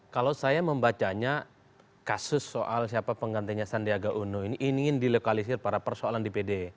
kalau saya membacanya kasus soal siapa penggantinya sandiaga uno ini ingin dilokalisir pada persoalan dpd